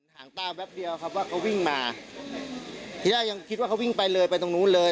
หางตาแป๊บเดียวครับว่าเขาวิ่งมาทีแรกยังคิดว่าเขาวิ่งไปเลยไปตรงนู้นเลย